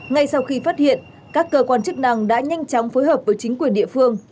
ngay sau khi phát hiện các cơ quan chức năng đã nhanh chóng phối hợp với chính quyền địa phương